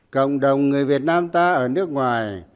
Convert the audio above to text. cộng đồng người việt nam ta ở nước ngoài